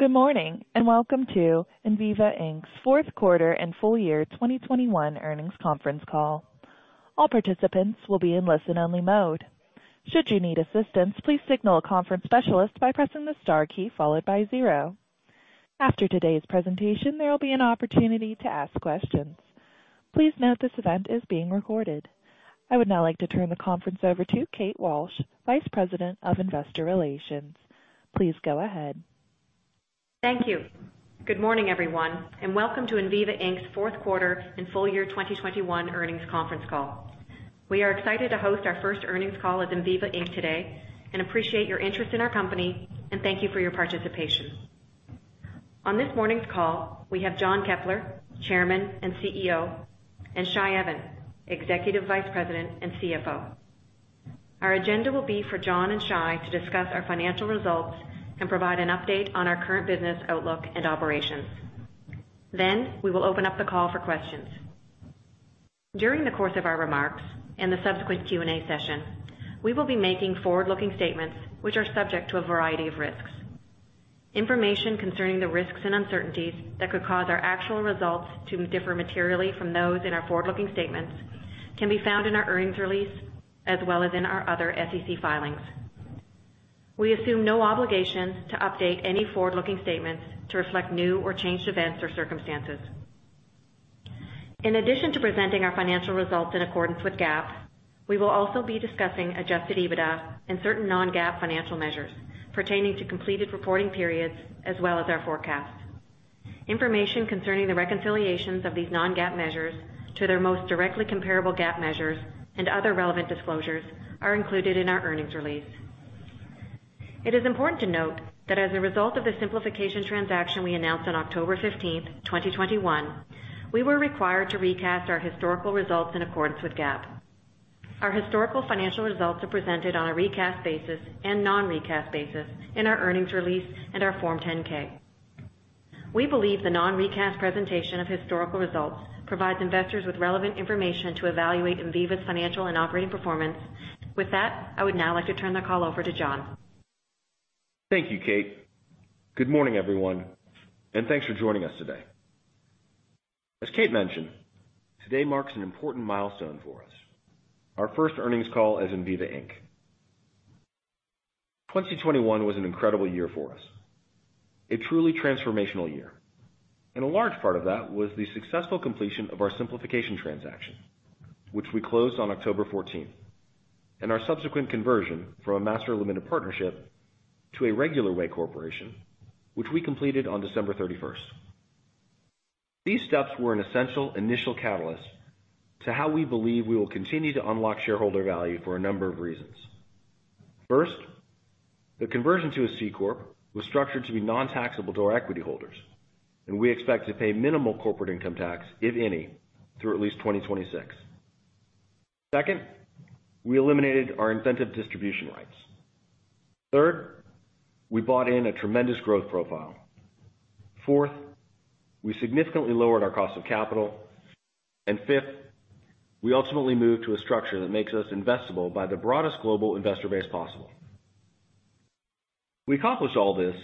Good morning, and welcome to Enviva Inc's Fourth Quarter and Full Year 2021 Earnings Conference Call. All participants will be in listen-only mode. Should you need assistance, please signal a conference specialist by pressing the star key followed by zero. After today's presentation, there will be an opportunity to ask questions. Please note this event is being recorded. I would now like to turn the conference over to Kate Walsh, Vice President of Investor Relations. Please go ahead. Thank you. Good morning, everyone, and welcome to Enviva Inc's Fourth Quarter and Full Year 2021 Earnings Conference Call. We are excited to host our first earnings call as Enviva Inc today and appreciate your interest in our company and thank you for your participation. On this morning's call, we have John Keppler, Chairman and CEO, and Shai Even, Executive Vice President and CFO. Our agenda will be for John and Shai to discuss our financial results and provide an update on our current business outlook and operations. Then we will open up the call for questions. During the course of our remarks and the subsequent Q&A session, we will be making forward-looking statements which are subject to a variety of risks. Information concerning the risks and uncertainties that could cause our actual results to differ materially from those in our forward-looking statements can be found in our earnings release, as well as in our other SEC filings. We assume no obligation to update any forward-looking statements to reflect new or changed events or circumstances. In addition to presenting our financial results in accordance with GAAP, we will also be discussing adjusted EBITDA and certain non-GAAP financial measures pertaining to completed reporting periods as well as our forecast. Information concerning the reconciliations of these non-GAAP measures to their most directly comparable GAAP measures and other relevant disclosures are included in our earnings release. It is important to note that as a result of the simplification transaction we announced on October 15th, 2021, we were required to recast our historical results in accordance with GAAP. Our historical financial results are presented on a recast basis and non-recast basis in our earnings release and our Form 10-K. We believe the non-recast presentation of historical results provides investors with relevant information to evaluate Enviva's financial and operating performance. With that, I would now like to turn the call over to John. Thank you, Kate. Good morning, everyone, and thanks for joining us today. As Kate mentioned, today marks an important milestone for us, our first earnings call as Enviva Inc. 2021 was an incredible year for us, a truly transformational year, and a large part of that was the successful completion of our simplification transaction, which we closed on October 14, and our subsequent conversion from a Master Limited Partnership to regular corporation, which we completed on December 31st. These steps were an essential initial catalyst to how we believe we will continue to unlock shareholder value for a number of reasons. First, the conversion to a C-Corp was structured to be non-taxable to our equity holders, and we expect to pay minimal corporate income tax, if any, through at least 2026. Second, we eliminated our Incentive Distribution Rights. Third, we boast a tremendous growth profile. Fourth, we significantly lowered our cost of capital. Fifth, we ultimately moved to a structure that makes us investable by the broadest global investor base possible. We accomplished all this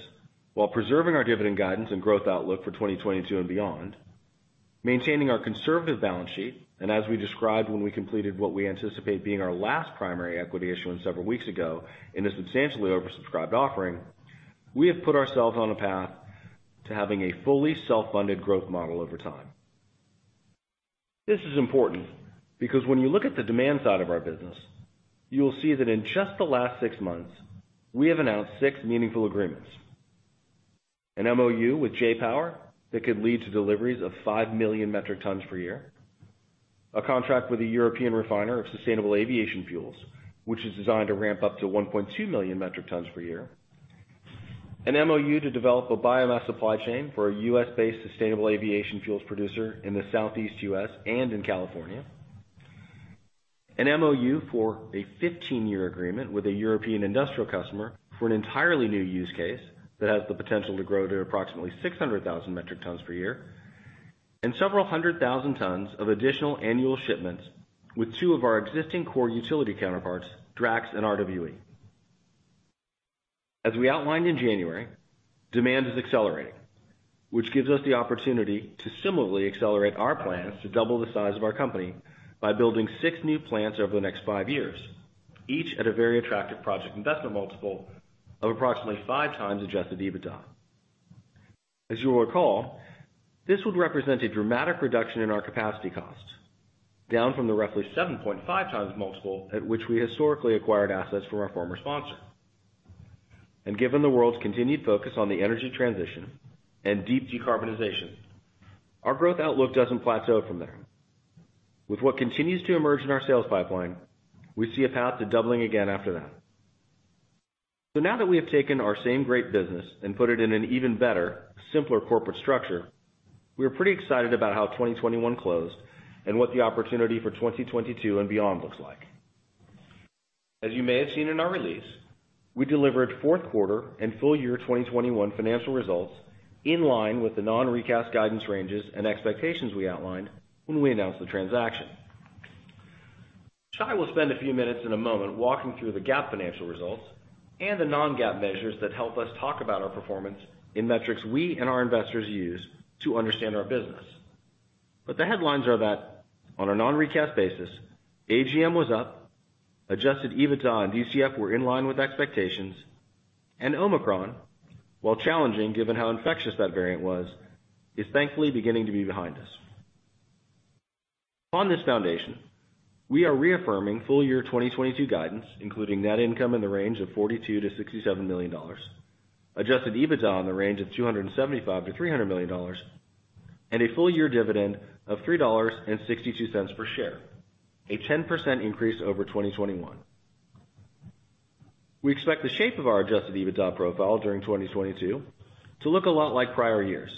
while preserving our dividend guidance and growth outlook for 2022 and beyond, maintaining our conservative balance sheet. As we described when we completed what we anticipate being our last primary equity issuance several weeks ago in a substantially oversubscribed offering, we have put ourselves on a path to having a fully self-funded growth model over time. This is important because when you look at the demand side of our business, you will see that in just the last six months, we have announced six meaningful agreements. An MOU with J-POWER that could lead to deliveries of five million metric tons per year. A contract with a European refiner of sustainable aviation fuels, which is designed to ramp up to 1.2 million metric tons per year. An MOU to develop a biomass supply chain for a U.S.-based sustainable aviation fuels producer in the Southeast U.S. and in California. An MOU for a 15-year agreement with a European industrial customer for an entirely new use case that has the potential to grow to approximately 600,000 metric tons per year. Several hundred thousand tons of additional annual shipments with two of our existing core utility counterparts, Drax and RWE. As we outlined in January, demand is accelerating, which gives us the opportunity to similarly accelerate our plans to double the size of our company by building six new plants over the next five years, each at a very attractive project investment multiple of approximately 5x adjusted EBITDA. As you'll recall, this would represent a dramatic reduction in our capacity costs, down from the roughly 7.5x multiple at which we historically acquired assets from our former sponsor. Given the world's continued focus on the energy transition and deep decarbonization, our growth outlook doesn't plateau from there. With what continues to emerge in our sales pipeline, we see a path to doubling again after that. Now that we have taken our same great business and put it in an even better, simpler corporate structure, we are pretty excited about how 2021 closed and what the opportunity for 2022 and beyond looks like. As you may have seen in our release, we delivered fourth quarter and full year 2021 financial results in line with the non-recast guidance ranges and expectations we outlined when we announced the transaction. Shai will spend a few minutes in a moment walking through the GAAP financial results and the non-GAAP measures that help us talk about our performance in metrics we and our investors use to understand our business. The headlines are that on a non-recast basis, AGM was up, adjusted EBITDA and DCF were in line with expectations, and Omicron, while challenging given how infectious that variant was, is thankfully beginning to be behind us. On this foundation, we are reaffirming full year 2022 guidance, including net income in the range of $42 million-$67 million, adjusted EBITDA in the range of $275 million-$300 million, and a full year dividend of $3.62 per share, a 10% increase over 2021. We expect the shape of our adjusted EBITDA profile during 2022 to look a lot like prior years,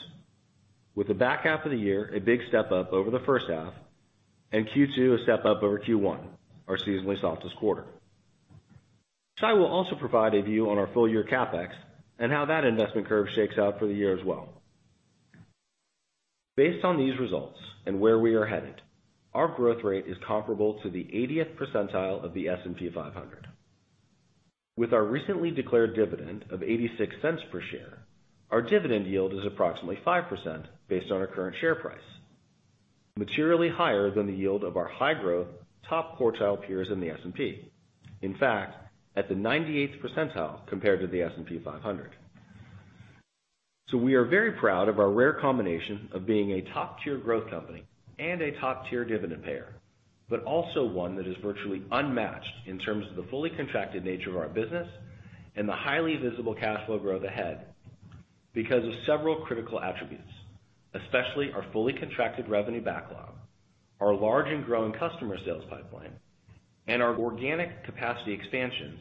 with the back half of the year a big step up over the first half and Q2 a step up over Q1, our seasonally softest quarter. Shai will also provide a view on our full year CapEx and how that investment curve shakes out for the year as well. Based on these results and where we are headed, our growth rate is comparable to the eightieth percentile of the S&P 500. With our recently declared dividend of $0.86 per share, our dividend yield is approximately 5% based on our current share price, materially higher than the yield of our high growth top quartile peers in the S&P. In fact, at the 98th percentile compared to the S&P 500. We are very proud of our rare combination of being a top-tier growth company and a top-tier dividend payer, but also one that is virtually unmatched in terms of the fully contracted nature of our business and the highly visible cash flow growth ahead because of several critical attributes, especially our fully contracted revenue backlog, our large and growing customer sales pipeline, and our organic capacity expansions,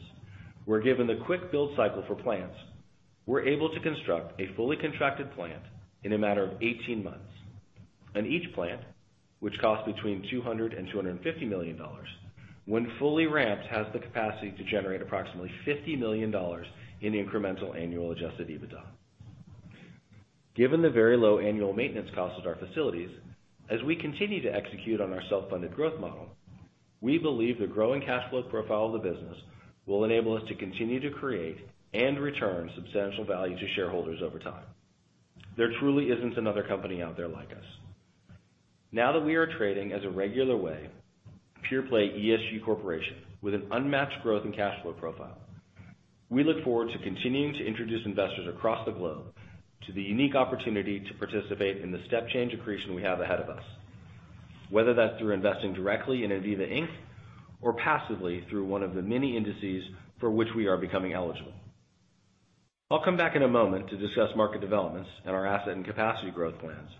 where given the quick build cycle for plants, we're able to construct a fully contracted plant in a matter of 18 months. Each plant, which costs between $200 million and $250 million, when fully ramped, has the capacity to generate approximately $50 million in incremental annual adjusted EBITDA. Given the very low annual maintenance cost at our facilities, as we continue to execute on our self-funded growth model, we believe the growing cash flow profile of the business will enable us to continue to create and return substantial value to shareholders over time. There truly isn't another company out there like us. Now that we are trading as a regular way, pure-play ESG corporation with an unmatched growth and cash flow profile, we look forward to continuing to introduce investors across the globe to the unique opportunity to participate in the step change accretion we have ahead of us, whether that's through investing directly in Enviva Inc or passively through one of the many indices for which we are becoming eligible. I'll come back in a moment to discuss market developments and our asset and capacity growth plans,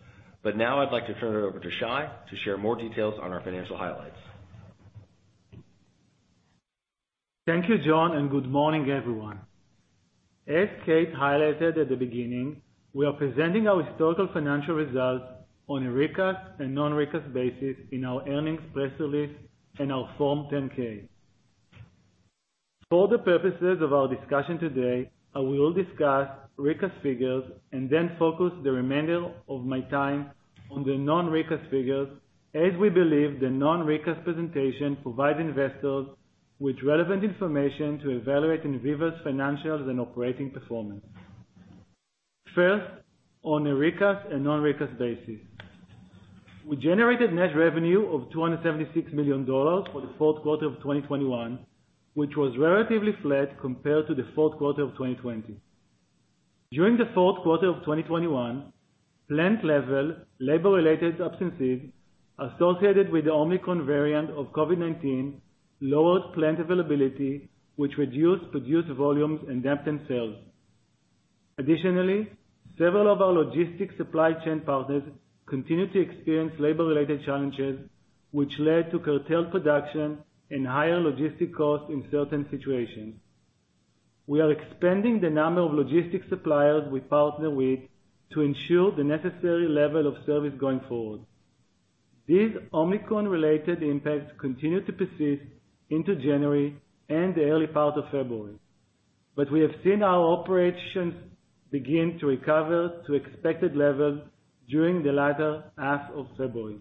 but now I'd like to turn it over to Shai to share more details on our financial highlights. Thank you, John, and good morning, everyone. As Kate highlighted at the beginning, we are presenting our historical financial results on a recast and non-recast basis in our earnings press release and our Form 10-K. For the purposes of our discussion today, I will discuss recast figures and then focus the remainder of my time on the non-recast figures as we believe the non-recast presentation provide investors with relevant information to evaluate Enviva's financials and operating performance. First, on a recast and non-recast basis. We generated net revenue of $276 million for the fourth quarter of 2021, which was relatively flat compared to the fourth quarter of 2020. During the fourth quarter of 2021, plant level labor-related absences associated with the Omicron variant of COVID-19 lowered plant availability, which reduced produced volumes and dampened sales. Additionally, several of our logistics supply chain partners continued to experience labor-related challenges, which led to curtailed production and higher logistic costs in certain situations. We are expanding the number of logistics suppliers we partner with to ensure the necessary level of service going forward. These Omicron-related impacts continued to persist into January and the early part of February, but we have seen our operations begin to recover to expected levels during the latter half of February.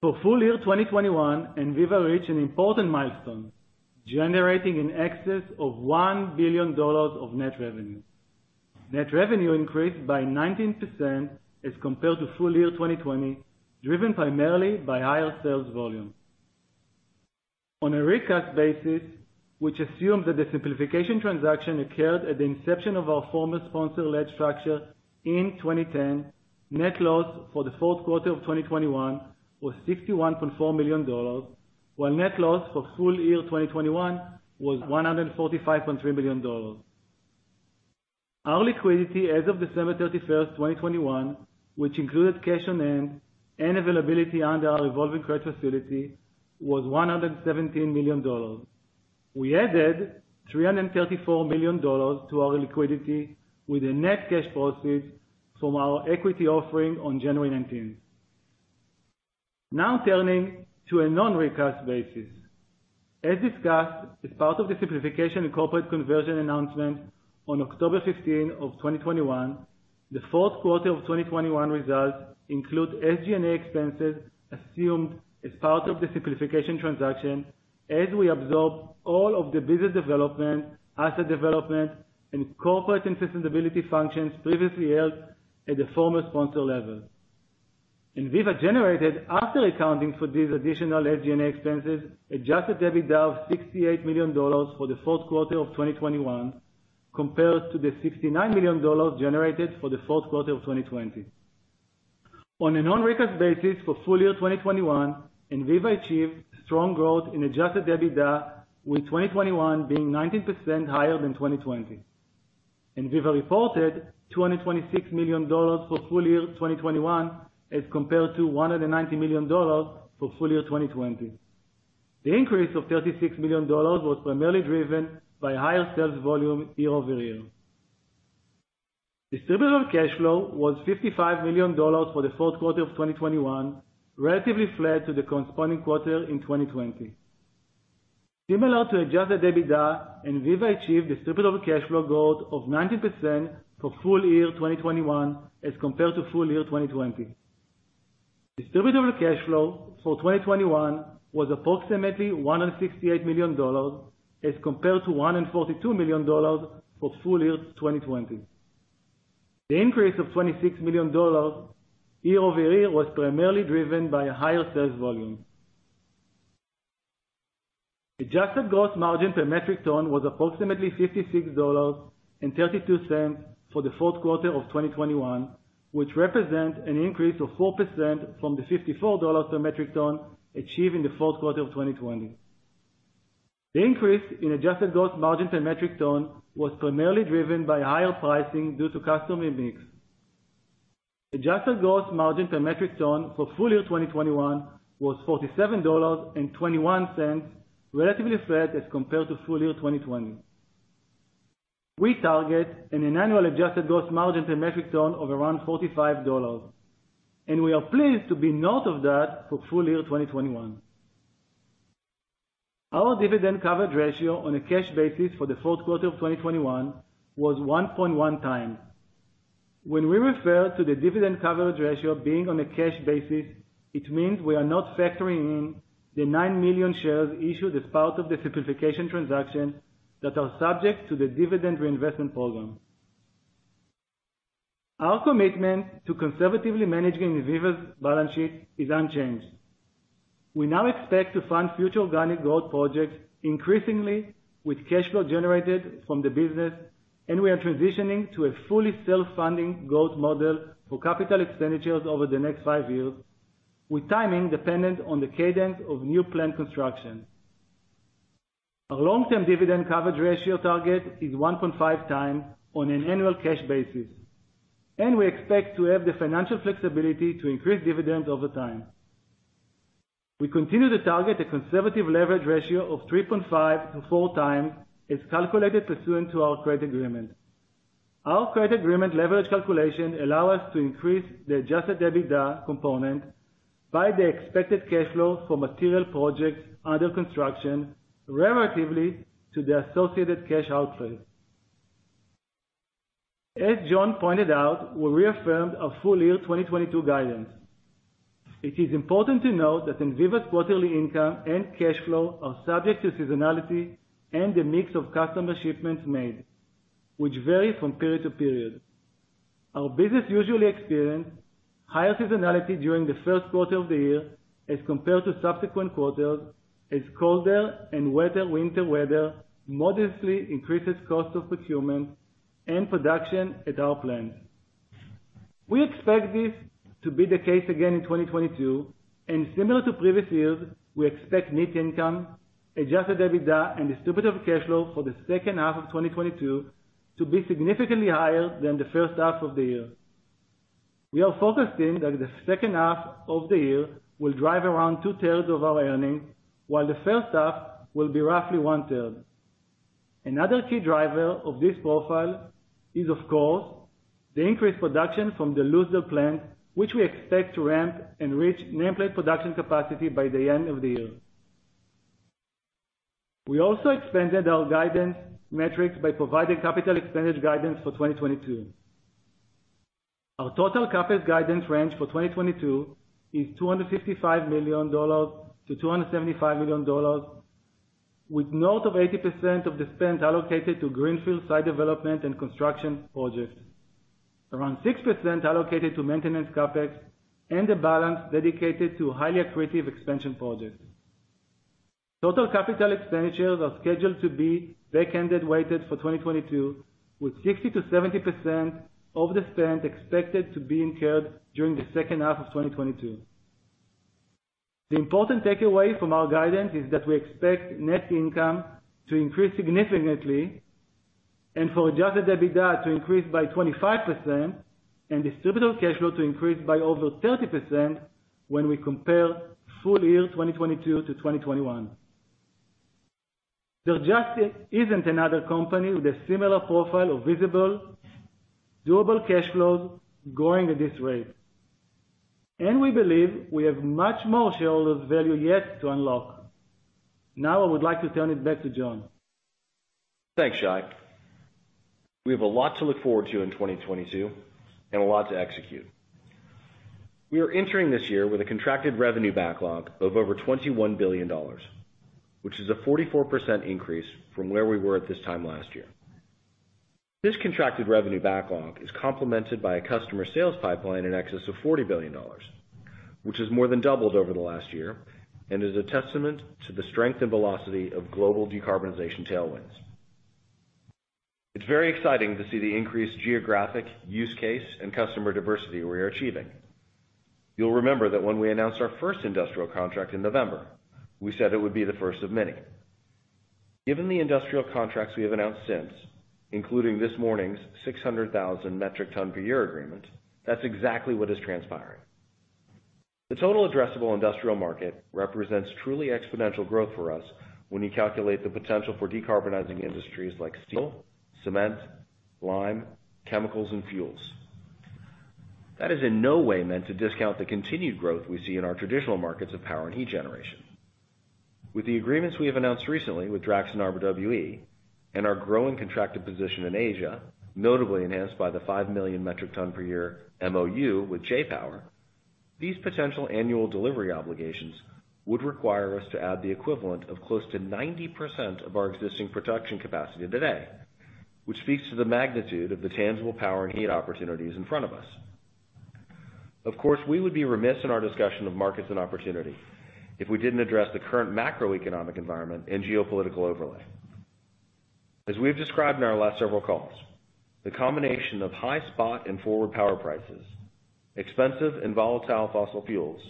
For full year 2021, Enviva reached an important milestone, generating in excess of $1 billion of net revenue. Net revenue increased by 19% as compared to full year 2020, driven primarily by higher sales volume. On a recast basis, which assumes that the simplification transaction occurred at the inception of our former sponsor-led structure in 2010, net loss for the fourth quarter of 2021 was $61.4 million, while net loss for full year 2021 was $145.3 million. Our liquidity as of December 31st, 2021, which included cash on hand and availability under our revolving credit facility, was $117 million. We added $334 million to our liquidity with the net cash proceeds from our equity offering on January 19. Now turning to a non-recast basis. As discussed, as part of the simplification and corporate conversion announcement on October 15, 2021, the fourth quarter of 2021 results include SG&A expenses assumed as part of the simplification transaction, as we absorb all of the business development, asset development, and corporate and sustainability functions previously held at the former sponsor level. Enviva generated, after accounting for these additional SG&A expenses, adjusted EBITDA of $68 million for the fourth quarter of 2021 compared to the $69 million generated for the fourth quarter of 2020. On a non-recast basis for full year 2021, Enviva achieved strong growth in adjusted EBITDA, with 2021 being 19% higher than 2020. Enviva reported $226 million for full year 2021 as compared to $190 million for full year 2020. The increase of $36 million was primarily driven by higher sales volume year-over-year. Distributable cash flow was $55 million for the fourth quarter of 2021, relatively flat to the corresponding quarter in 2020. Similar to adjusted EBITDA, Enviva achieved distributable cash flow growth of 19% for full year 2021 as compared to full year 2020. Distributable cash flow for 2021 was approximately $168 million as compared to $142 million for full year 2020. The increase of $26 million year-over-year was primarily driven by a higher sales volume. Adjusted gross margin per metric ton was approximately $56.32 for the fourth quarter of 2021, which represents an increase of 4% from the $54 per metric ton achieved in the fourth quarter of 2020. The increase in adjusted gross margin per metric ton was primarily driven by higher pricing due to customer mix. Adjusted gross margin per metric ton for full year 2021 was $47.21, relatively flat as compared to full year 2020. We target an annual adjusted gross margin per metric ton of around $45, and we are pleased to be north of that for full year 2021. Our dividend coverage ratio on a cash basis for the fourth quarter of 2021 was 1.1x. When we refer to the dividend coverage ratio being on a cash basis, it means we are not factoring in the nine million shares issued as part of the simplification transaction that are subject to the Dividend Reinvestment Program. Our commitment to conservatively managing Enviva's balance sheet is unchanged. We now expect to fund future organic growth projects increasingly with cash flow generated from the business, and we are transitioning to a fully self-funding growth model for capital expenditures over the next five years, with timing dependent on the cadence of new plant construction. Our long-term dividend coverage ratio target is 1.5x on an annual cash basis, and we expect to have the financial flexibility to increase dividends over time. We continue to target a conservative leverage ratio of 3.5-4x, as calculated pursuant to our credit agreement. Our credit agreement leverage calculation allows us to increase the adjusted EBITDA component by the expected cash flow for material projects under construction, relative to the associated cash outflows. As John pointed out, we reaffirmed our full-year 2022 guidance. It is important to note that Enviva's quarterly income and cash flow are subject to seasonality and the mix of customer shipments made, which vary from period to period. Our business usually experience higher seasonality during the first quarter of the year as compared to subsequent quarters, as colder and wetter winter weather modestly increases cost of procurement and production at our plants. We expect this to be the case again in 2022, and similar to previous years, we expect net income, adjusted EBITDA, and Distributable Cash Flow for the second half of 2022 to be significantly higher than the first half of the year. We are forecasting that the second half of the year will drive around 2/3 of our earnings, while the first half will be roughly 1/3. Another key driver of this profile is, of course, the increased production from the Lucedale plant, which we expect to ramp and reach nameplate production capacity by the end of the year. We also expanded our guidance metrics by providing capital expenditure guidance for 2022. Our total CapEx guidance range for 2022 is $255 million-$275 million, with north of 80% of the spend allocated to greenfield site development and construction projects. Around 6% allocated to maintenance CapEx and the balance dedicated to highly accretive expansion projects. Total capital expenditures are scheduled to be back-ended weighted for 2022, with 60%-70% of the spend expected to be incurred during the second half of 2022. The important takeaway from our guidance is that we expect net income to increase significantly and for adjusted EBITDA to increase by 25% and Distributable Cash Flow to increase by over 30% when we compare full year 2022 to 2021. There just isn't another company with a similar profile of visible, durable cash flows growing at this rate. We believe we have much more shareholder value yet to unlock. Now, I would like to turn it back to John. Thanks, Shai. We have a lot to look forward to in 2022 and a lot to execute. We are entering this year with a contracted revenue backlog of over $21 billion, which is a 44% increase from where we were at this time last year. This contracted revenue backlog is complemented by a customer sales pipeline in excess of $40 billion, which has more than doubled over the last year, and is a testament to the strength and velocity of global decarbonization tailwinds. It's very exciting to see the increased geographic use case and customer diversity we are achieving. You'll remember that when we announced our first industrial contract in November, we said it would be the first of many. Given the industrial contracts we have announced since, including this morning's 600,000 metric ton per year agreement, that's exactly what is transpiring. The total addressable industrial market represents truly exponential growth for us when you calculate the potential for decarbonizing industries like steel, cement, lime, chemicals and fuels. That is in no way meant to discount the continued growth we see in our traditional markets of power and heat generation. With the agreements we have announced recently with Drax and RWE and our growing contracted position in Asia, notably enhanced by the five million metric ton per year MOU with J-POWER. These potential annual delivery obligations would require us to add the equivalent of close to 90% of our existing production capacity today, which speaks to the magnitude of the tangible power and heat opportunities in front of us. Of course, we would be remiss in our discussion of markets and opportunity if we didn't address the current macroeconomic environment and geopolitical overlay. As we have described in our last several calls, the combination of high spot and forward power prices, expensive and volatile fossil fuels,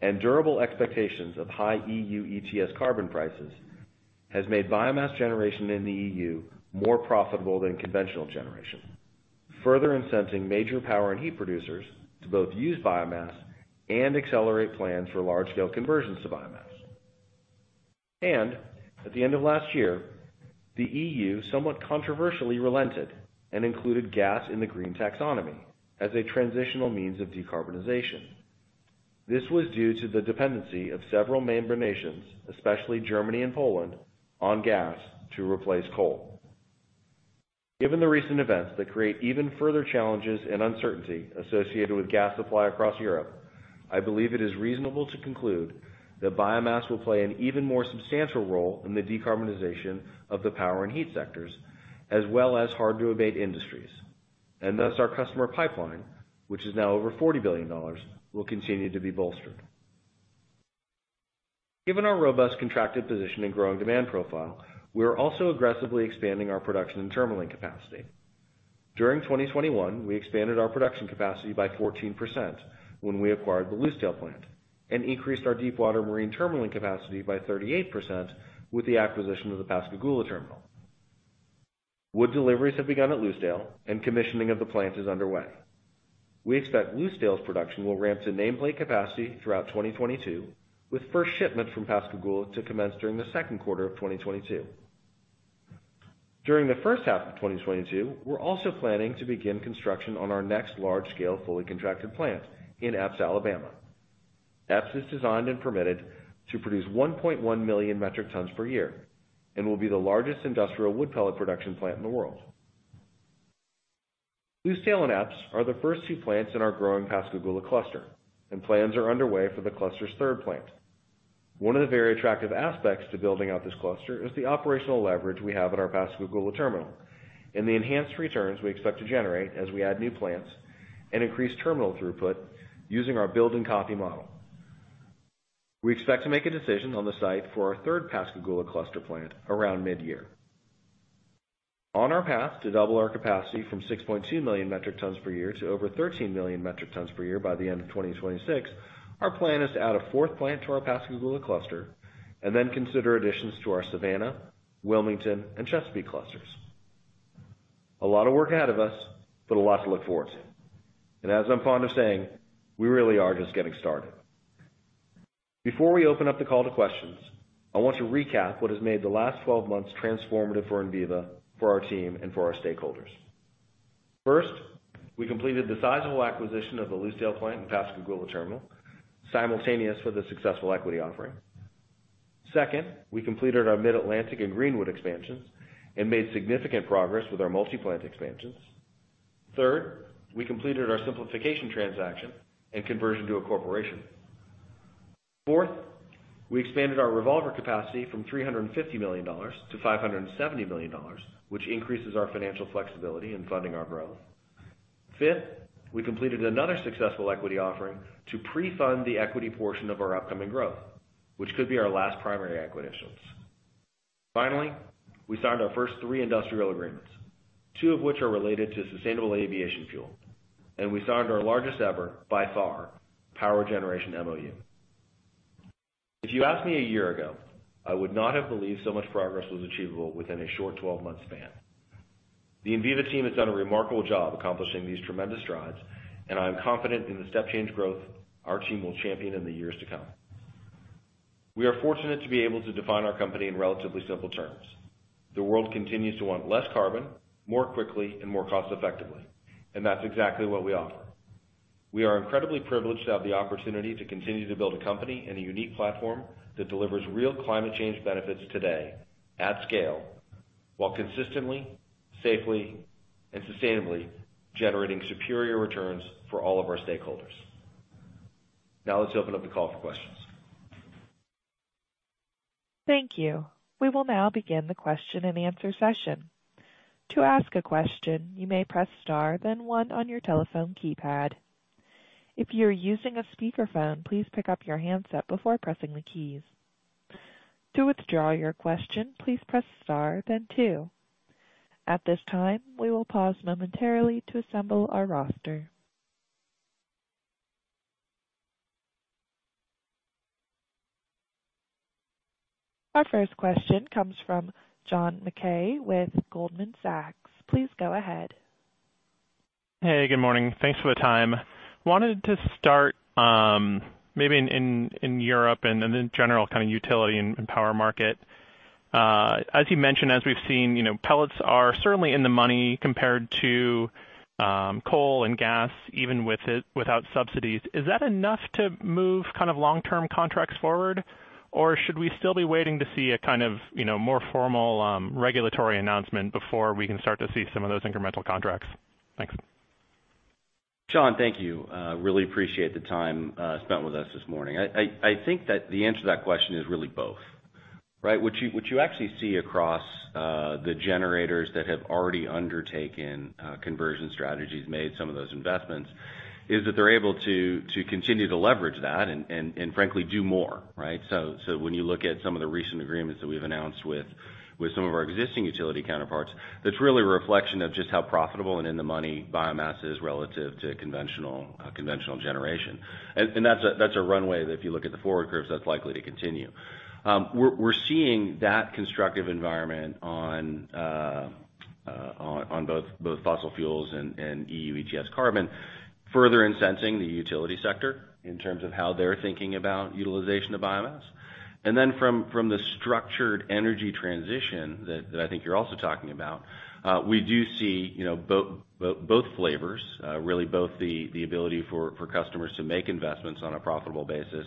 and durable expectations of high EU ETS carbon prices has made biomass generation in the EU more profitable than conventional generation, further incenting major power and heat producers to both use biomass and accelerate plans for large-scale conversions to biomass. At the end of last year, the EU somewhat controversially relented and included gas in the green taxonomy as a transitional means of decarbonization. This was due to the dependency of several main member nations, especially Germany and Poland, on gas to replace coal. Given the recent events that create even further challenges and uncertainty associated with gas supply across Europe, I believe it is reasonable to conclude that biomass will play an even more substantial role in the decarbonization of the power and heat sectors, as well as hard to abate industries. Our customer pipeline, which is now over $40 billion, will continue to be bolstered. Given our robust contracted position and growing demand profile, we are also aggressively expanding our production and terminaling capacity. During 2021, we expanded our production capacity by 14% when we acquired the Lucedale plant and increased our deep water marine terminaling capacity by 38% with the acquisition of the Pascagoula terminal. Wood deliveries have begun at Lucedale and commissioning of the plant is underway. We expect Lucedale's production will ramp to nameplate capacity throughout 2022, with first shipments from Pascagoula to commence during the second quarter of 2022. During the first half of 2022, we're also planning to begin construction on our next large-scale, fully contracted plant in Epes, Alabama. Epes is designed and permitted to produce 1.1 million metric tons per year and will be the largest industrial wood pellet production plant in the world. Lucedale and Epes are the first two plants in our growing Pascagoula cluster, and plans are underway for the cluster's third plant. One of the very attractive aspects to building out this cluster is the operational leverage we have at our Pascagoula terminal and the enhanced returns we expect to generate as we add new plants and increase terminal throughput using our build and copy model. We expect to make a decision on the site for our third Pascagoula cluster plant around mid-year. On our path to double our capacity from 6.2 million metric tons per year to over 13 million metric tons per year by the end of 2026, our plan is to add a fourth plant to our Pascagoula cluster and then consider additions to our Savannah, Wilmington, and Chesapeake clusters. A lot of work ahead of us, but a lot to look forward to. As I'm fond of saying, we really are just getting started. Before we open up the call to questions, I want to recap what has made the last 12 months transformative for Enviva, for our team, and for our stakeholders. First, we completed the sizable acquisition of the Lucedale plant and Pascagoula terminal simultaneous with a successful equity offering. Second, we completed our Mid-Atlantic and Greenwood expansions and made significant progress with our multi-plant expansions. Third, we completed our simplification transaction and conversion to a corporation. Fourth, we expanded our revolver capacity from $350 million-$570 million, which increases our financial flexibility in funding our growth. Fifth, we completed another successful equity offering to pre-fund the equity portion of our upcoming growth, which could be our last primary equity issuance. Finally, we signed our first three industrial agreements, two of which are related to Sustainable Aviation Fuel. We signed our largest ever, by far, power generation MOU. If you asked me a year ago, I would not have believed so much progress was achievable within a short 12-month span. The Enviva team has done a remarkable job accomplishing these tremendous strides, and I am confident in the step change growth our team will champion in the years to come. We are fortunate to be able to define our company in relatively simple terms. The world continues to want less carbon, more quickly and more cost effectively, and that's exactly what we offer. We are incredibly privileged to have the opportunity to continue to build a company and a unique platform that delivers real climate change benefits today at scale, while consistently, safely, and sustainably generating superior returns for all of our stakeholders. Now let's open up the call for questions. Thank you. We will now begin the question-and-answer session. To ask a question, you may press star then one on your telephone keypad. If you're using a speakerphone, please pick up your handset before pressing the keys. To withdraw your question, please press star then two. At this time, we will pause momentarily to assemble our roster. Our first question comes from John Mackay with Goldman Sachs. Please go ahead. Hey, good morning. Thanks for the time. Wanted to start maybe in Europe and then in general, kind of utility and power market. As you mentioned, as we've seen, you know, pellets are certainly in the money compared to coal and gas, even without subsidies. Is that enough to move kind of long-term contracts forward? Or should we still be waiting to see a kind of, you know, more formal regulatory announcement before we can start to see some of those incremental contracts? Thanks. John, thank you. Really appreciate the time spent with us this morning. I think that the answer to that question is really both. Right? What you actually see across the generators that have already undertaken conversion strategies, made some of those investments, is that they're able to continue to leverage that and frankly do more. Right? So when you look at some of the recent agreements that we've announced with some of our existing utility counterparts, that's really a reflection of just how profitable and in the money biomass is relative to conventional generation. That's a runway that if you look at the forward curves, that's likely to continue. We're seeing that constructive environment on both fossil fuels and EU ETS carbon, further incentivizing the utility sector in terms of how they're thinking about utilization of biomass. From the structured energy transition that I think you're also talking about, we do see, you know, both flavors, really both the ability for customers to make investments on a profitable basis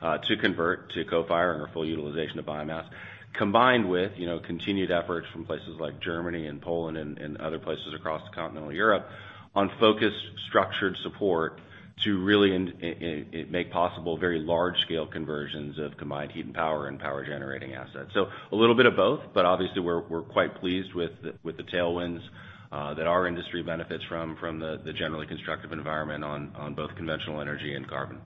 to convert to co-fire and full utilization of biomass, combined with, you know, continued efforts from places like Germany and Poland and other places across continental Europe on focused, structured support to really make possible very large-scale conversions of combined heat and power and power generating assets. A little bit of both, but obviously we're quite pleased with the tailwinds that our industry benefits from the generally constructive environment on both conventional energy and carbon.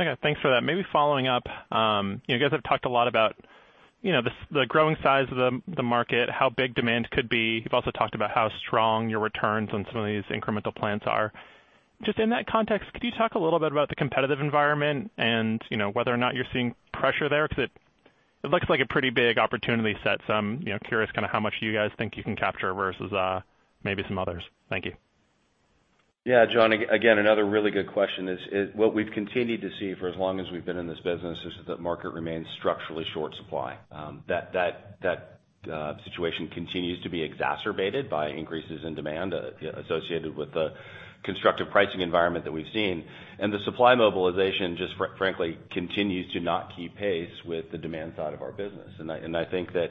Okay, thanks for that. Maybe following up, you guys have talked a lot about, you know, the growing size of the market, how big demand could be. You've also talked about how strong your returns on some of these incremental plants are. Just in that context, could you talk a little bit about the competitive environment and, you know, whether or not you're seeing pressure there? Because it looks like a pretty big opportunity set. I'm, you know, curious kinda how much you guys think you can capture versus, maybe some others. Thank you. Yeah, John, another really good question. What we've continued to see for as long as we've been in this business is that market remains structurally short supply. That situation continues to be exacerbated by increases in demand associated with the constructive pricing environment that we've seen. The supply mobilization just frankly continues to not keep pace with the demand side of our business. I think that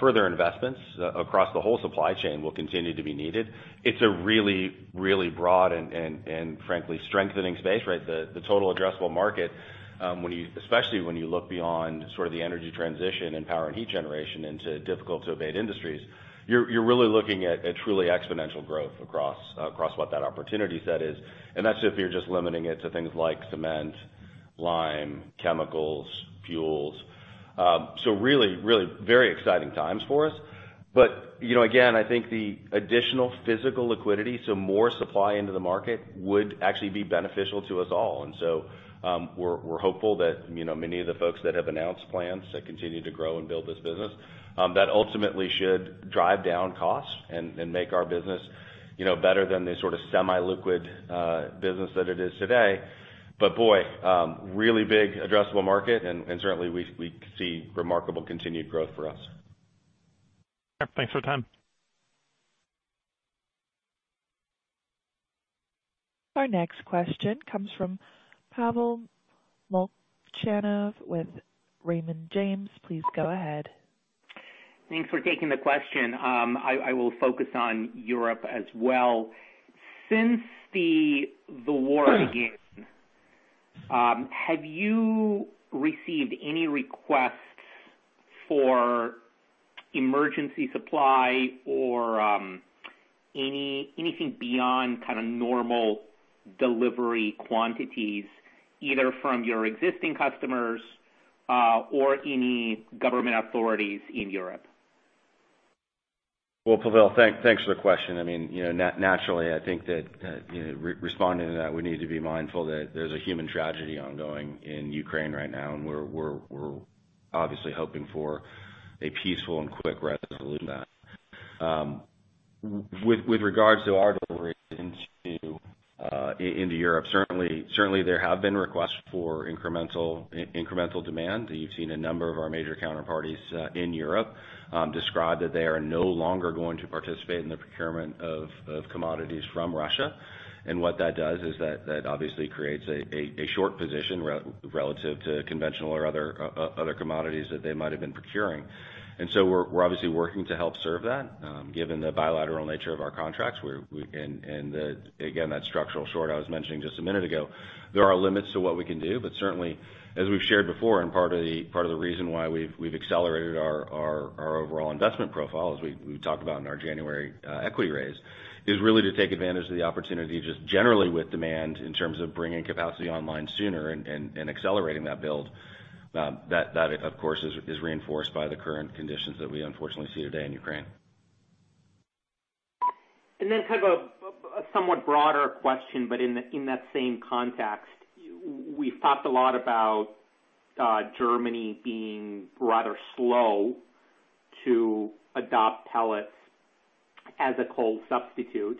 further investments across the whole supply chain will continue to be needed. It's a really broad and frankly strengthening space, right? The total addressable market, when you especially look beyond sort of the energy transition in power and heat generation into difficult-to-abate industries, you're really looking at a truly exponential growth across what that opportunity set is. That's if you're just limiting it to things like cement, lime, chemicals, fuels. Really very exciting times for us. You know, again, I think the additional physical liquidity, so more supply into the market, would actually be beneficial to us all. We're hopeful that, you know, many of the folks that have announced plans that continue to grow and build this business, that ultimately should drive down costs and make our business, you know, better than the sort of semi-liquid business that it is today. Boy, really big addressable market, and certainly we see remarkable continued growth for us. Yeah. Thanks for the time. Our next question comes from Pavel Molchanov with Raymond James. Please go ahead. Thanks for taking the question. I will focus on Europe as well. Since the war began, have you received any requests for emergency supply or anything beyond kind of normal delivery quantities, either from your existing customers, or any government authorities in Europe? Well, Pavel, thanks for the question. I mean, you know, naturally, I think that, you know, responding to that, we need to be mindful that there's a human tragedy ongoing in Ukraine right now, and we're obviously hoping for a peaceful and quick resolution to that. With regards to our delivery into Europe, certainly there have been requests for incremental demand. You've seen a number of our major counterparties in Europe describe that they are no longer going to participate in the procurement of commodities from Russia. What that does is that obviously creates a short position relative to conventional or other commodities that they might have been procuring. So we're obviously working to help serve that, given the bilateral nature of our contracts, we're, we, again, that structural short I was mentioning just a minute ago, there are limits to what we can do. Certainly, as we've shared before, and part of the reason why we've accelerated our overall investment profile, as we talked about in our January equity raise, is really to take advantage of the opportunity just generally with demand in terms of bringing capacity online sooner and accelerating that build. That, of course, is reinforced by the current conditions that we unfortunately see today in Ukraine. Kind of a somewhat broader question in that same context. We've talked a lot about Germany being rather slow to adopt pellets as a coal substitute.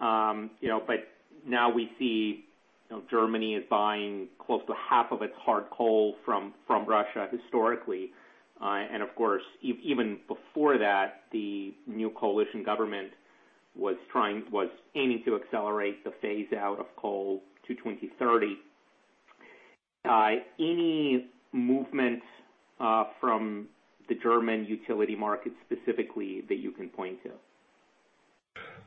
You know, but now we see, you know, Germany is buying close to half of its hard coal from Russia historically. Of course, even before that, the new coalition government was aiming to accelerate the phase out of coal to 2030. Any movements from the German utility market specifically that you can point to?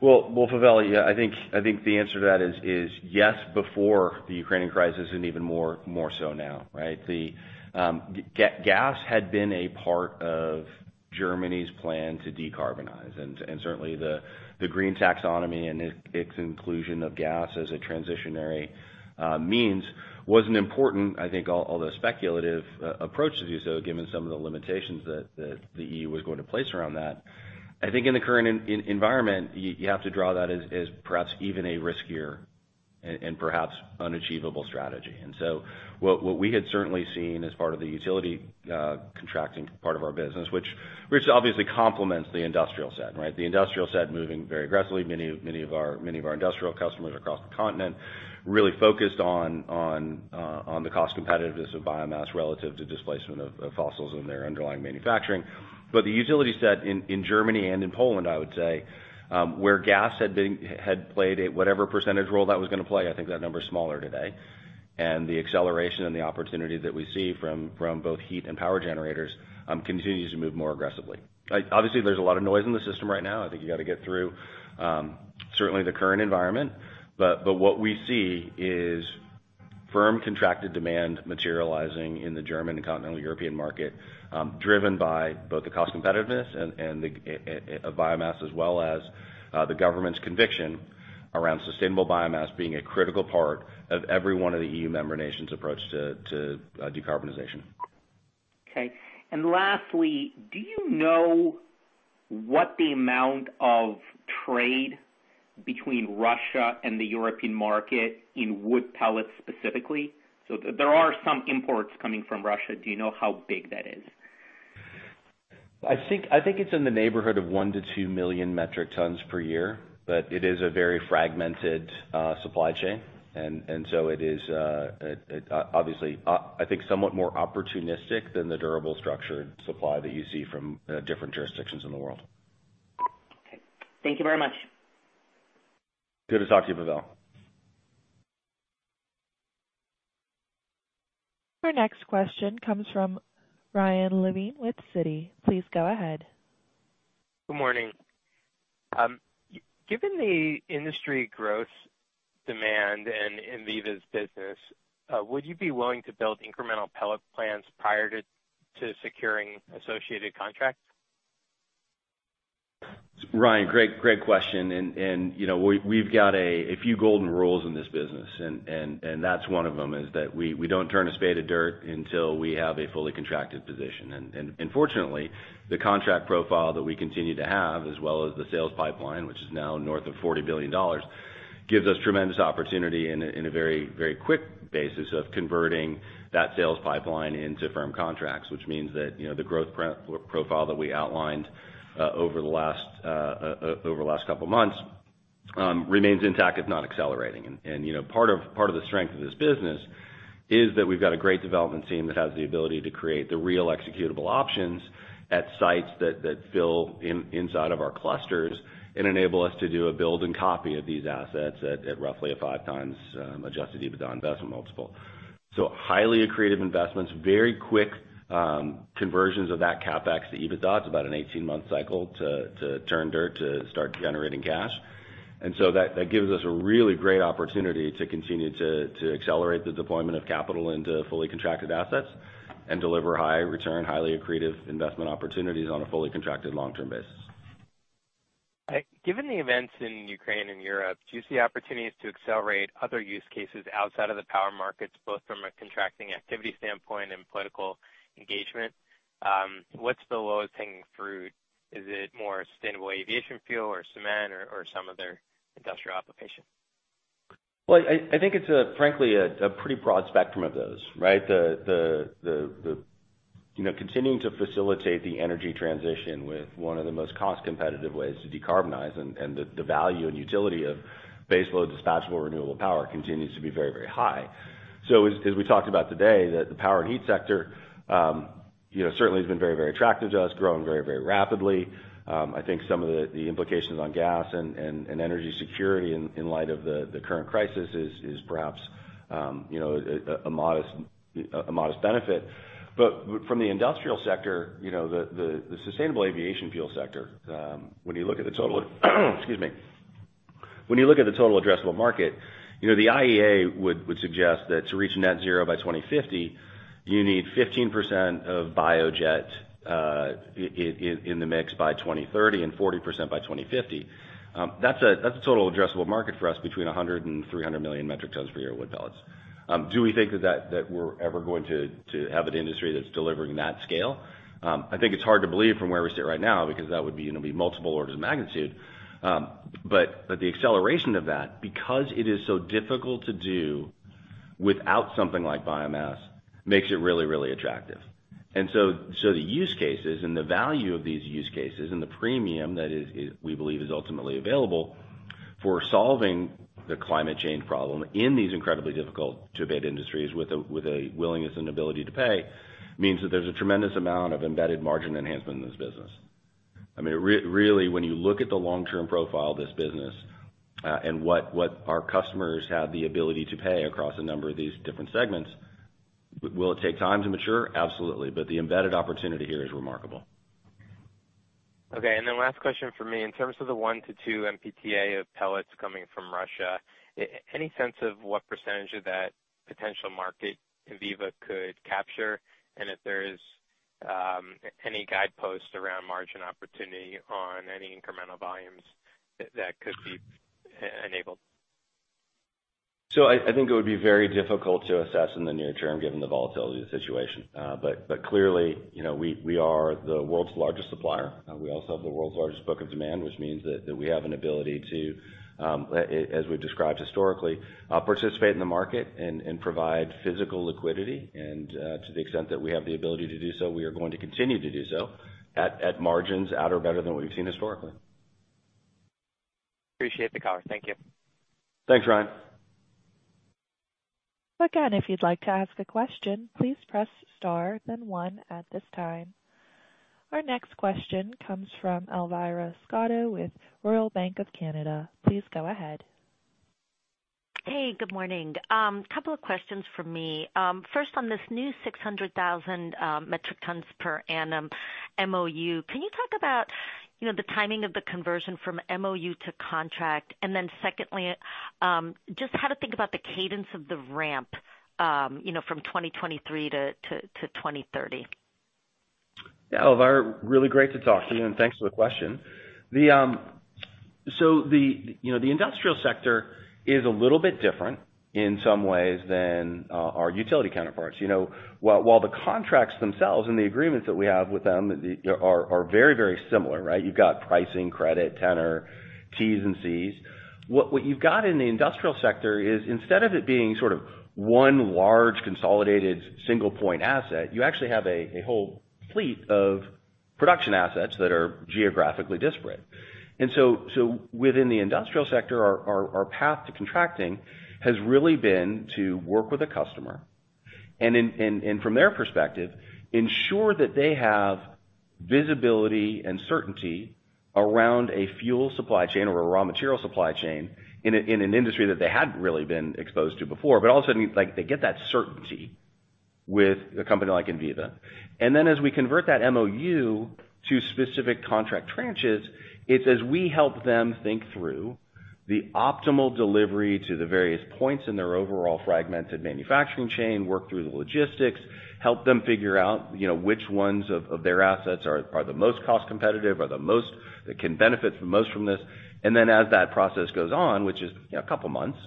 Well, Pavel, yeah, I think the answer to that is yes, before the Ukrainian crisis and even more so now, right? The gas had been a part of Germany's plan to decarbonize. Certainly the green taxonomy and its inclusion of gas as a transitional means was an important, I think, although speculative approach to do so, given some of the limitations that the EU was going to place around that. I think in the current environment, you have to draw that as perhaps even a riskier and perhaps unachievable strategy. What we had certainly seen as part of the utility contracting part of our business, which obviously complements the industrial side, right, the industrial side moving very aggressively. Many of our industrial customers across the continent really focused on the cost competitiveness of biomass relative to displacement of fossils in their underlying manufacturing. The utility set in Germany and in Poland, I would say, where gas had played a whatever percentage role that was gonna play, I think that number is smaller today. The acceleration and the opportunity that we see from both heat and power generators continues to move more aggressively. Obviously, there's a lot of noise in the system right now. I think you gotta get through certainly the current environment. What we see is firm contracted demand materializing in the German and continental European market, driven by both the cost competitiveness and the biomass as well as, the government's conviction around sustainable biomass being a critical part of every one of the EU member nations' approach to decarbonization. Okay. Lastly, do you know what the amount of trade between Russia and the European market in wood pellets specifically? There are some imports coming from Russia. Do you know how big that is? I think it's in the neighborhood of one to two million metric tons per year, but it is a very fragmented supply chain. It obviously, I think, somewhat more opportunistic than the durable structured supply that you see from different jurisdictions in the world. Okay. Thank you very much. Good to talk to you, Pavel. Our next question comes from Ryan Levine with Citigroup. Please go ahead. Good morning. Given the industry growth demand in Enviva's business, would you be willing to build incremental pellet plants prior to securing associated contracts? Ryan, great question. You know, we've got a few golden rules in this business, and that's one of them, is that we don't turn a spade of dirt until we have a fully contracted position. Fortunately, the contract profile that we continue to have, as well as the sales pipeline, which is now north of $40 billion, gives us tremendous opportunity in a very quick basis of converting that sales pipeline into firm contracts, which means that, you know, the growth profile that we outlined over the last couple of months remains intact, if not accelerating. You know, part of the strength of this business is that we've got a great development team that has the ability to create the real executable options at sites that fill in inside of our clusters and enable us to do a build and copy of these assets at roughly a 5x adjusted EBITDA investment multiple. Highly accretive investments, very quick conversions of that CapEx to EBITDA. It's about an 18-month cycle to turn dirt to start generating cash. That gives us a really great opportunity to continue to accelerate the deployment of capital into fully contracted assets and deliver high return, highly accretive investment opportunities on a fully contracted long-term basis. Given the events in Ukraine and Europe, do you see opportunities to accelerate other use cases outside of the power markets, both from a contracting activity standpoint and political engagement? What's the lowest hanging fruit? Is it more sustainable aviation fuel or cement or some other industrial application? Well, I think it's frankly a pretty broad spectrum of those, right? The you know continuing to facilitate the energy transition with one of the most cost-competitive ways to decarbonize and the value and utility of baseload dispatchable renewable power continues to be very, very high. As we talked about today, the power and heat sector you know certainly has been very, very attractive to us, growing very, very rapidly. I think some of the implications on gas and energy security in light of the current crisis is perhaps you know a modest benefit. But from the industrial sector, you know, the Sustainable Aviation Fuel sector, when you look at the total excuse me. When you look at the total addressable market, you know, the IEA would suggest that to reach net zero by 2050, you need 15% of Biojet in the mix by 2030 and 40% by 2050. That's a total addressable market for us between 100 and 300 million metric tons for your wood pellets. Do we think that we're ever going to have an industry that's delivering that scale? I think it's hard to believe from where we sit right now because that would be multiple orders of magnitude. But the acceleration of that, because it is so difficult to do without something like biomass, makes it really attractive. The use cases and the value of these use cases and the premium that is, we believe is ultimately available for solving the climate change problem in these incredibly difficult to abate industries with a willingness and ability to pay means that there's a tremendous amount of embedded margin enhancement in this business. I mean, really, when you look at the long-term profile of this business, and what our customers have the ability to pay across a number of these different segments, will it take time to mature? Absolutely. The embedded opportunity here is remarkable. Okay. Last question for me. In terms of the one to two MPTA of pellets coming from Russia, any sense of what percentage of that potential market Enviva could capture? If there is, any guideposts around margin opportunity on any incremental volumes that could be enabled? I think it would be very difficult to assess in the near term, given the volatility of the situation. Clearly, you know, we are the world's largest supplier. We also have the world's largest book of demand, which means that we have an ability to, as we've described historically, participate in the market and provide physical liquidity. To the extent that we have the ability to do so, we are going to continue to do so at margins at or better than what we've seen historically. Appreciate the color. Thank you. Thanks, Ryan. Again, if you'd like to ask a question, please press star then one at this time. Our next question comes from Elvira Scotto with Royal Bank of Canada. Please go ahead. Hey, good morning. Couple of questions from me. First on this new 600,000 metric tons per annum MOU, can you talk about, you know, the timing of the conversion from MOU to contract? And then secondly, just how to think about the cadence of the ramp, you know, from 2023 to 2030. Yeah. Elvira, really great to talk to you, and thanks for the question. The, so the, you know, the industrial sector is a little bit different in some ways than our utility counterparts. You know, while the contracts themselves and the agreements that we have with them are very similar, right? You've got pricing, credit, tenor, Ts and Cs. What you've got in the industrial sector is instead of it being sort of one large consolidated single point asset, you actually have a whole fleet of production assets that are geographically disparate. Within the industrial sector, our path to contracting has really been to work with a customer and from their perspective, ensure that they have visibility and certainty around a fuel supply chain or a raw material supply chain in an industry that they hadn't really been exposed to before. All of a sudden, like, they get that certainty with a company like Enviva. As we convert that MOU to specific contract tranches, it's as we help them think through the optimal delivery to the various points in their overall fragmented manufacturing chain, work through the logistics, help them figure out, you know, which ones of their assets are the most cost competitive, that can benefit the most from this. As that process goes on, which is, you know, a couple months,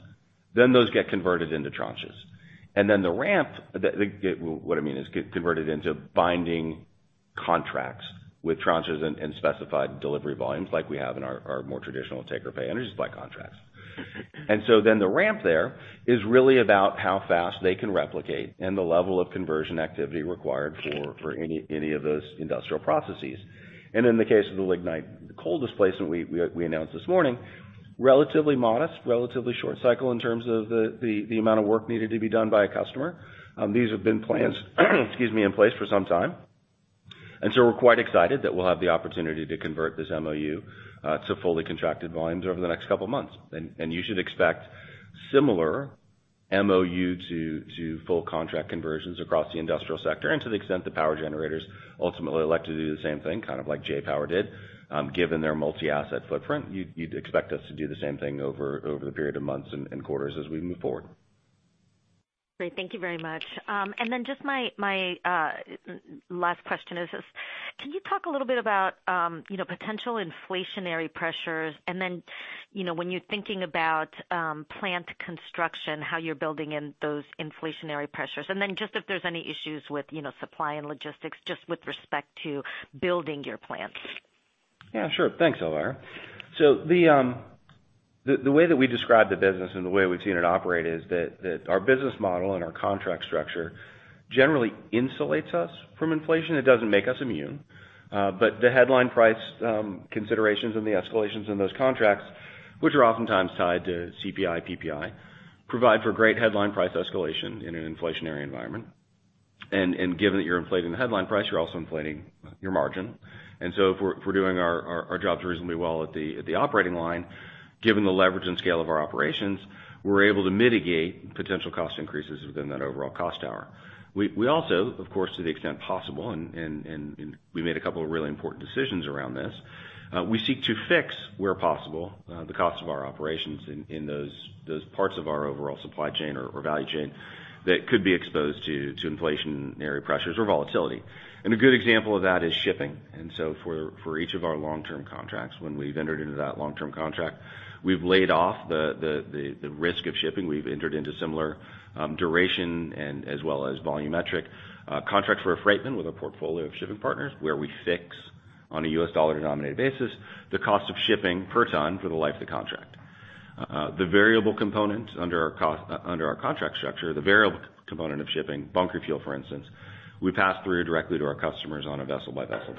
then those get converted into tranches. The ramp, what I mean is get converted into binding contracts with tranches and specified delivery volumes like we have in our more traditional take-or-pay energy supply contracts. The ramp there is really about how fast they can replicate and the level of conversion activity required for any of those industrial processes. In the case of the lignite coal displacement we announced this morning, relatively modest, relatively short cycle in terms of the amount of work needed to be done by a customer. These have been plans in place for some time. We're quite excited that we'll have the opportunity to convert this MOU to fully contracted volumes over the next couple of months. You should expect similar MOU to full contract conversions across the industrial sector. To the extent the power generators ultimately elect to do the same thing, kind of like J-POWER did, given their multi-asset footprint, you'd expect us to do the same thing over the period of months and quarters as we move forward. Great. Thank you very much. Just my last question is this: Can you talk a little bit about, you know, potential inflationary pressures? You know, when you're thinking about plant construction, how you're building in those inflationary pressures, and then just if there's any issues with, you know, supply and logistics, just with respect to building your plants. Yeah, sure. Thanks, Elvira. The way that we describe the business and the way we've seen it operate is that our business model and our contract structure generally insulates us from inflation. It doesn't make us immune. But the headline price considerations and the escalations in those contracts, which are oftentimes tied to CPI, PPI, provide for great headline price escalation in an inflationary environment. Given that you're inflating the headline price, you're also inflating your margin. If we're doing our jobs reasonably well at the operating line, given the leverage and scale of our operations, we're able to mitigate potential cost increases within that overall cost structure. We also, of course, to the extent possible and we made a couple of really important decisions around this, we seek to fix where possible, the cost of our operations in those parts of our overall supply chain or value chain that could be exposed to inflationary pressures or volatility. A good example of that is shipping. For each of our long-term contracts, when we've entered into that long-term contract, we've laid off the risk of shipping. We've entered into similar duration and as well as volumetric contracts for freight management with a portfolio of shipping partners where we fix on a U.S. dollar denominated basis, the cost of shipping per ton for the life of the contract. The variable components under our contract structure, the variable component of shipping, bunker fuel, for instance, we pass through directly to our customers on a vessel by vessel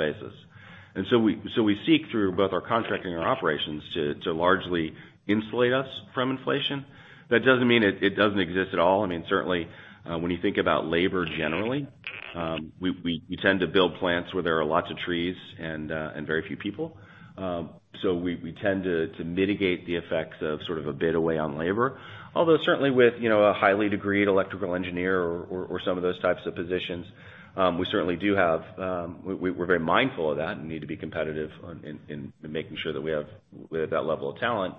basis. We seek through both our contracting and our operations to largely insulate us from inflation. That doesn't mean it doesn't exist at all. I mean, certainly, when you think about labor generally, we tend to build plants where there are lots of trees and very few people. So we tend to mitigate the effects of sort of a bidding war on labor. Although certainly with, you know, a highly degreed electrical engineer or some of those types of positions, we certainly do have. We're very mindful of that and need to be competitive in making sure that we have that level of talent.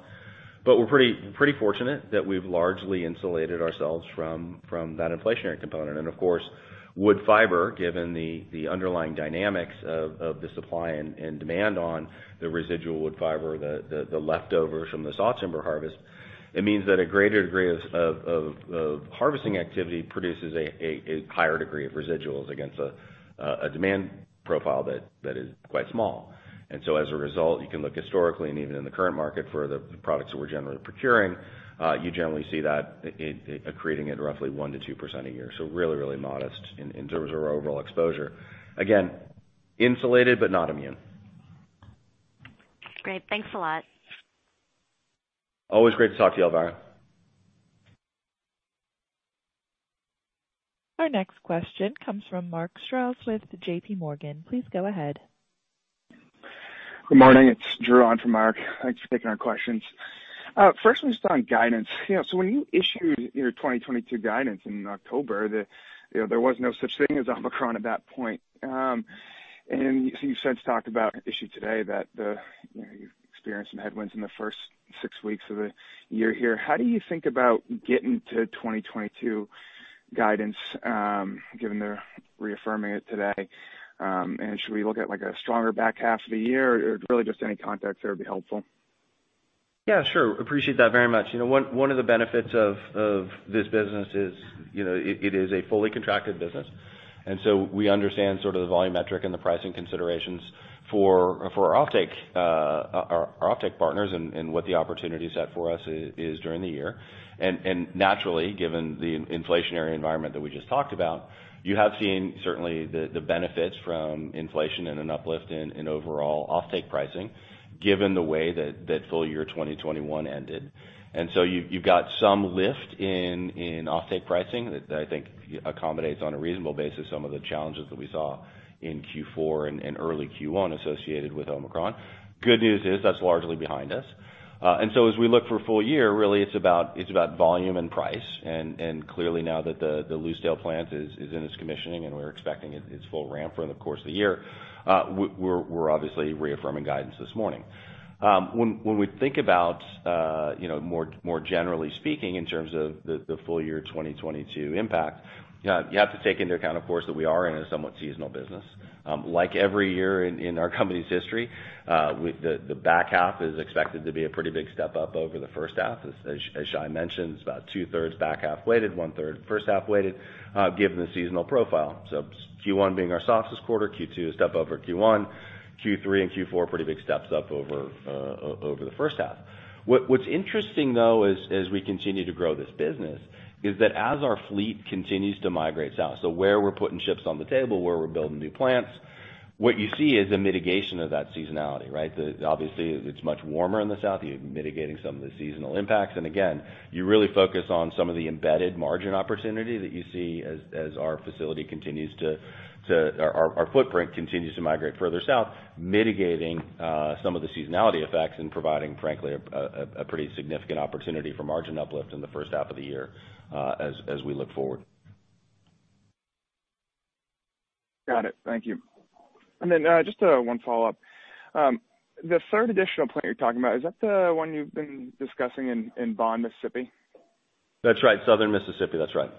We're pretty fortunate that we've largely insulated ourselves from that inflationary component. Of course, wood fiber, given the underlying dynamics of the supply and demand on the residual wood fiber, the leftovers from the sawtimber harvest, it means that a greater degree of harvesting activity produces a higher degree of residuals against a demand profile that is quite small. As a result, you can look historically and even in the current market for the products that we're generally procuring, you generally see that it's creeping at roughly 1%-2% a year. Really, really modest in terms of our overall exposure. Again, insulated but not immune. Great. Thanks a lot. Always great to talk to you, Elvira. Our next question comes from Mark Strouse with J.P. Morgan. Please go ahead. Good morning. It's Geron for Mark. Thanks for taking our questions. First one's on guidance. You know, so when you issued your 2022 guidance in October, you know, there was no such thing as Omicron at that point. And you've since talked about an issue today that, you know, you've experienced some headwinds in the first six weeks of the year here. How do you think about getting to 2022 guidance, given you're reaffirming it today? And should we look at like a stronger back half of the year or really just any context there would be helpful? Yeah, sure. Appreciate that very much. You know, one of the benefits of this business is, you know, it is a fully contracted business. We understand sort of the volumetric and the pricing considerations for our offtake partners and what the opportunity set for us is during the year. Naturally, given the inflationary environment that we just talked about, you have seen certainly the benefits from inflation and an uplift in overall offtake pricing, given the way that full year 2021 ended. You've got some lift in offtake pricing that I think accommodates on a reasonable basis some of the challenges that we saw in Q4 and early Q1 associated with Omicron. Good news is that's largely behind us. As we look for full year, really it's about volume and price. Clearly now that the Lucedale plant is in its commissioning and we're expecting its full ramp for the course of the year, we're obviously reaffirming guidance this morning. When we think about more generally speaking in terms of the full year 2022 impact, you have to take into account, of course, that we are in a somewhat seasonal business. Like every year in our company's history, the back half is expected to be a pretty big step up over the first half. As Shai mentioned, it's about 2/3 back half weighted, 1/3 first half weighted, given the seasonal profile. Q1 being our softest quarter, Q2 a step over Q1. Q3 and Q4 are pretty big steps up over the first half. What's interesting though is, as we continue to grow this business, is that as our fleet continues to migrate south, so where we're putting ships on the table, where we're building new plants, what you see is a mitigation of that seasonality, right? Obviously, it's much warmer in the south. You're mitigating some of the seasonal impacts. Again, you really focus on some of the embedded margin opportunity that you see as our footprint continues to migrate further south, mitigating some of the seasonality effects and providing, frankly, a pretty significant opportunity for margin uplift in the first half of the year, as we look forward. Got it. Thank you. Just one follow-up. The third additional plant you're talking about, is that the one you've been discussing in Bond, Mississippi? That's right. Southern Mississippi. That's right.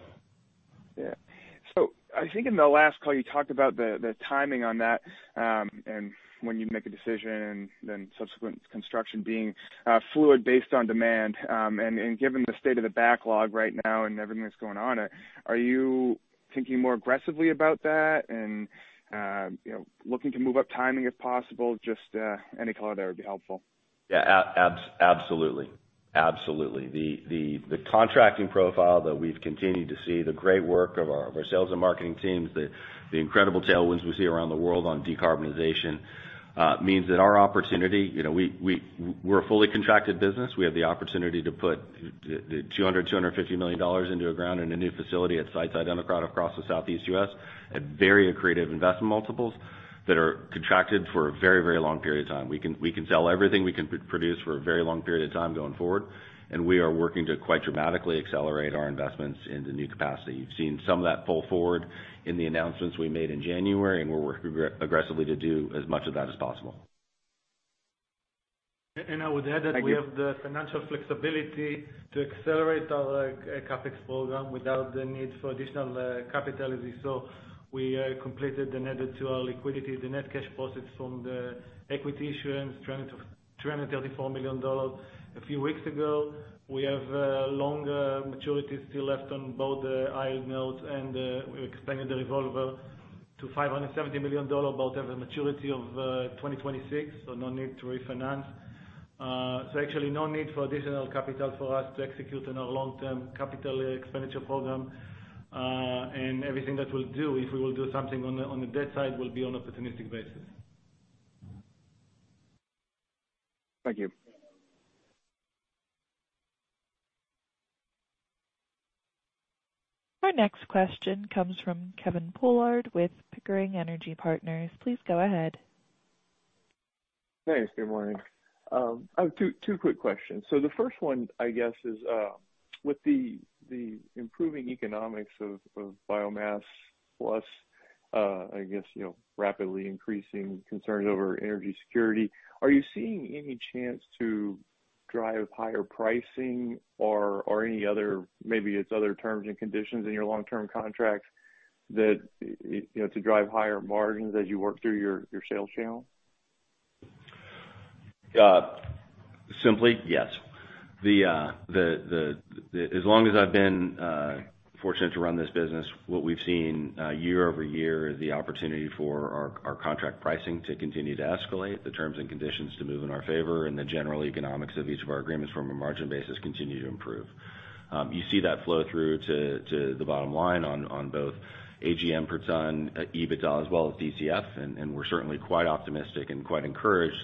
Yeah. I think in the last call, you talked about the timing on that, and when you'd make a decision and then subsequent construction being fluid based on demand. Given the state of the backlog right now and everything that's going on, are you thinking more aggressively about that and you know, looking to move up timing if possible? Just any color there would be helpful. Absolutely. The contracting profile that we've continued to see, the great work of our sales and marketing teams, the incredible tailwinds we see around the world on decarbonization means that our opportunity, you know, we're a fully contracted business. We have the opportunity to put $250 million into the ground in a new facility at sites identified across the southeast U.S. at very accretive investment multiples that are contracted for a very long period of time. We can sell everything we can produce for a very long period of time going forward, and we are working to quite dramatically accelerate our investments in the new capacity. You've seen some of that pull forward in the announcements we made in January, and we're working aggressively to do as much of that as possible. I would add that we have the financial flexibility to accelerate our CapEx program without the need for additional capital. As you saw, we completed and added to our liquidity the net cash proceeds from the equity issuance, $234 million. A few weeks ago, we have longer maturities still left on both the IL notes, and we expanded the revolver to $570 million, both have a maturity of 2026, so no need to refinance. So actually no need for additional capital for us to execute on our long-term capital expenditure program. And everything that we'll do, if we will do something on the debt side, will be on opportunistic basis. Thank you. Our next question comes from Kevin Pollard with Pickering Energy Partners. Please go ahead. Thanks. Good morning. I have two quick questions. The first one, I guess, is, with the improving economics of biomass plus, I guess, you know, rapidly increasing concerns over energy security, are you seeing any chance to drive higher pricing or any other, maybe it's other terms and conditions in your long-term contracts that, you know, to drive higher margins as you work through your sales channel? Simply, yes. As long as I've been fortunate to run this business, what we've seen year over year is the opportunity for our contract pricing to continue to escalate, the terms and conditions to move in our favor, and the general economics of each of our agreements from a margin basis continue to improve. You see that flow through to the bottom line on both AGM per ton EBITDA as well as DCF, and we're certainly quite optimistic and quite encouraged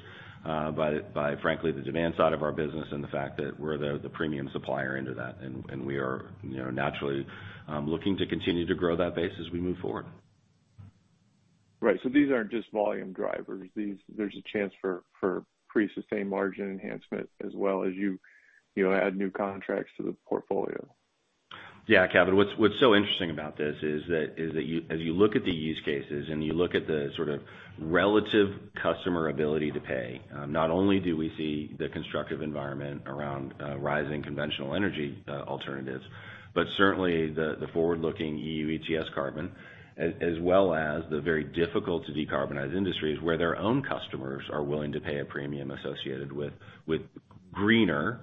by, frankly, the demand side of our business and the fact that we're the premium supplier into that. We are, you know, naturally looking to continue to grow that base as we move forward. Right. These aren't just volume drivers. There's a chance for sustained margin enhancement as well as you know add new contracts to the portfolio. Yeah, Kevin, what's so interesting about this is that as you look at the use cases and you look at the sort of relative customer ability to pay, not only do we see the constructive environment around rising conventional energy alternatives, but certainly the forward-looking EU ETS carbon, as well as the very difficult to decarbonize industries where their own customers are willing to pay a premium associated with greener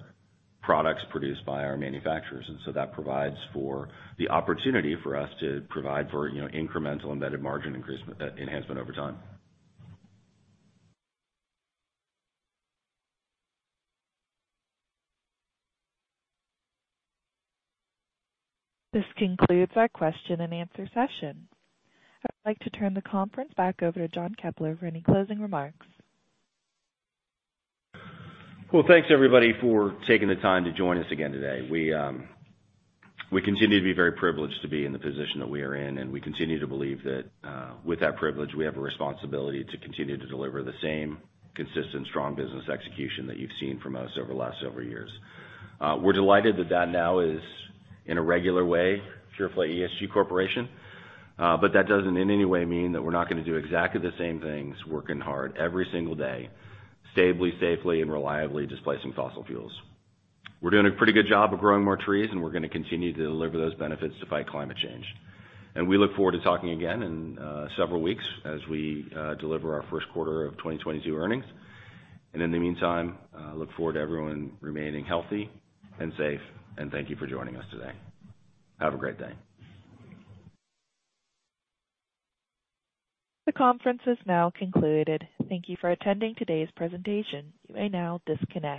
products produced by our manufacturers. That provides for the opportunity for us to provide for, you know, incremental embedded margin enhancement over time. This concludes our question and answer session. I'd like to turn the conference back over to John Keppler for any closing remarks. Well, thanks everybody for taking the time to join us again today. We continue to be very privileged to be in the position that we are in, and we continue to believe that with that privilege, we have a responsibility to continue to deliver the same consistent, strong business execution that you've seen from us over the last several years. We're delighted that that now is, in a regular way, pure-play ESG corporation. But that doesn't in any way mean that we're not gonna do exactly the same things, working hard every single day, stably, safely, and reliably displacing fossil fuels. We're doing a pretty good job of growing more trees, and we're gonna continue to deliver those benefits to fight climate change. We look forward to talking again in several weeks as we deliver our first quarter of 2022 earnings. In the meantime, I look forward to everyone remaining healthy and safe, and thank you for joining us today. Have a great day. The conference is now concluded. Thank you for attending today's presentation. You may now disconnect.